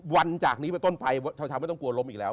จากนี้ไปต้นไปชาวไม่ต้องกลัวล้มอีกแล้ว